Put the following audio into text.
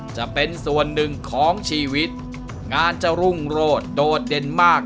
จะเป็นส่วนหนึ่งของชีวิตงานจะรุ่งโรดโดดเด่นมาก